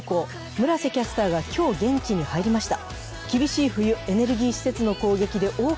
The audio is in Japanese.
村瀬キャスターが今日現地に入りました。